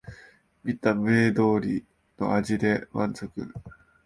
見た目通りの味で満足